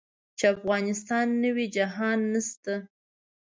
چې افغانستان نه وي جهان نشته.